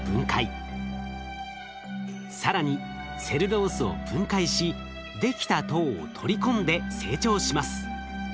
更にセルロースを分解しできた糖を取り込んで成長します。